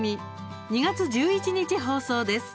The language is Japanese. ２月１１日放送です。